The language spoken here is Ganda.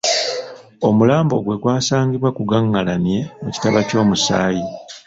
Omulambo gwe gwasangibwa gugaղղalamye mu kitaba ky’omusaayi.